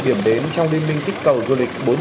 điểm đến trong liên minh kích cầu du lịch